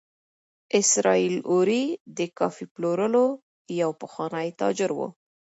اسراییل اوري د کافي پلورلو یو پخوانی تاجر و.